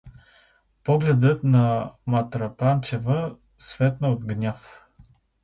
Погледът на Матрапанчева светна от гняв.